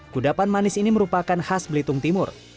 kudapan manis ini merupakan khas belitung timur